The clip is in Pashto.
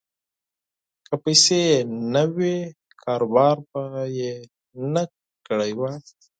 که پیسې یې نه وی، کاروبار به یې نه کړی وای.